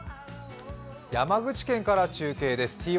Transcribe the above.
山口県から中継です。